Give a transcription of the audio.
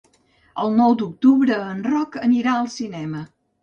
El nou d'octubre en Roc anirà al cinema.